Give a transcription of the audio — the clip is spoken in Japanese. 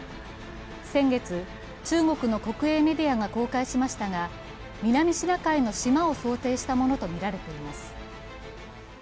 先月、中国の国営メディアが公開しましたが、南シナ海の島を想定したものとみられています。